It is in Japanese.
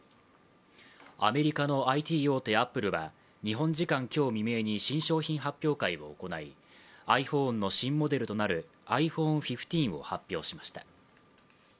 アメリカのＩＴ大手アップルは日本時間今日未明に新商品発表会を行い、ｉＰｈｏｎｅの新モデルとなるｉＰｈｏｎｅ１５を発表しました。